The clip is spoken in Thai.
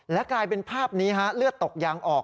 และกลายเป็นภาพนี้ฮะเลือดตกยางออก